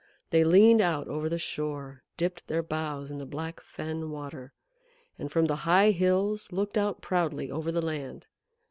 They leaned out over the shore, dipped their boughs in the black fen water, and from the high hills looked out proudly over the land.